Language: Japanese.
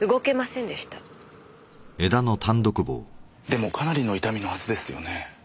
でもかなりの痛みのはずですよね？